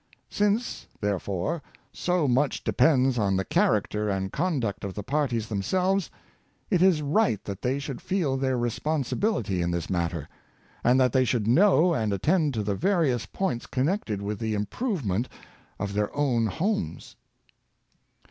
Since, therefore, so much depends on the character and con duct of the parties themselves, it is right that they should feel their responsibility in this matter, and that they should know and attend to the various points con nected with the improvement of their own homes."